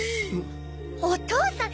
お父さん